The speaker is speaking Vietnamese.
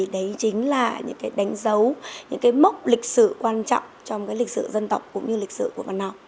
đó chính là những cái đánh dấu những cái mốc lịch sử quan trọng trong cái lịch sử dân tộc cũng như lịch sử của văn học